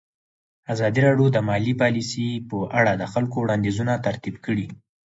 ازادي راډیو د مالي پالیسي په اړه د خلکو وړاندیزونه ترتیب کړي.